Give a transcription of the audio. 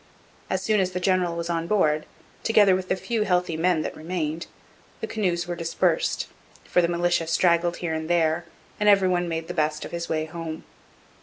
As soon as the General was on board, together with the few healthy men that remained, the canoes were dispersed, for the militia straggled here and there, and every one made the best of his way home.'